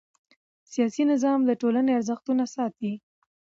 سیاسي نظام د ټولنې ارزښتونه ساتي